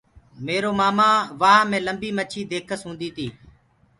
ميرو مآمآ وآه مي لمبي مڇي ديکس هوندي تي۔